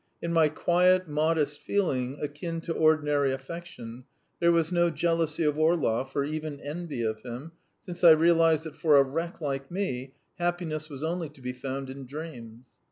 In my quiet, modest feeling akin to ordinary affection, there was no jealousy of Orlov or even envy of him, since I realised that for a wreck like me happiness was only to be found in dreams.